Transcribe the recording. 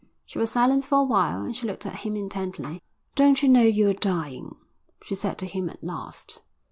She was silent for a while and she looked at him intently. "Don't you know you're dying?" she said to him at last.